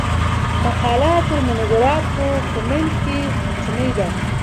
مقاله تر مونوګراف په کمیت کښي کوچنۍ ده.